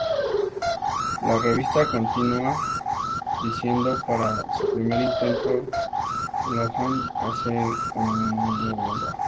La revista continúa diciendo: "Para su primer intento, Lohan hace un muy buen trabajo.